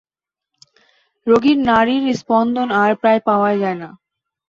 রোগীর নাড়ির স্পন্দন আর প্রায় পাওয়াই যায় না।